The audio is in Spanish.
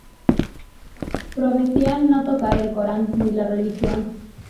Prometían no tocar el Corán ni la religión.